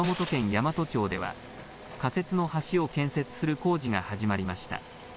山都町では仮設の橋を建設する工事が始まりました。